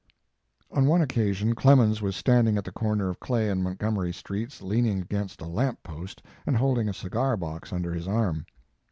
On one occasion Clemens was standing at the corner of Clay and Montgomery Streets, leaning against a lamp post and holding a cigar box under his arm.